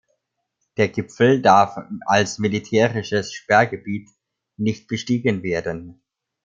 Der Gipfel darf als militärisches Sperrgebiet nicht bestiegen werden.